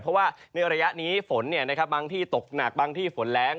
เพราะว่าในระยะนี้ฝนบางที่ตกหนักบางที่ฝนแรง